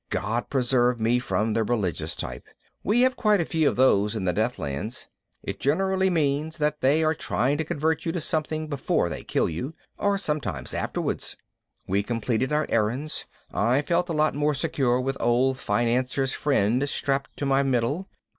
God preserve me from the religious type! We have quite a few of those in the Deathlands. It generally means that they try to convert you to something before they kill you. Or sometimes afterwards. We completed our errands. I felt a lot more secure with Old Financier's Friend strapped to my middle.